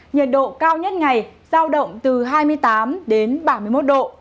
nhiệt độ cao nhất ngày giao động từ hai mươi tám đến ba mươi một độ